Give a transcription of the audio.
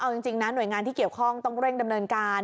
เอาจริงหน่วยงานต้องเร่งดำเนินการ